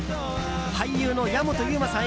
俳優の矢本悠馬さん